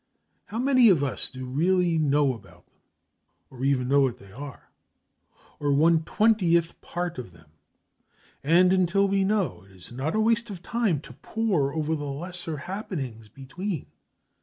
How many of us do really know about them? or even know what they are? or one twentieth part of them? And until we know, is it not a waste of time to pore over the lesser happenings between?